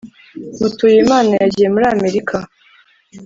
mutuyimana yagiye muri amerika